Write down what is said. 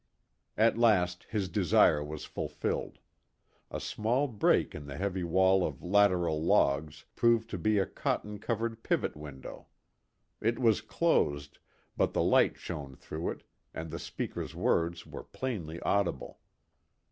At last his desire was fulfilled. A small break in the heavy wall of lateral logs proved to be a cotton covered pivot window. It was closed, but the light shone through it, and the speaker's words were plainly audible.